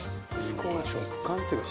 食感っていうか